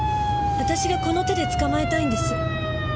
私がこの手で捕まえたいんです。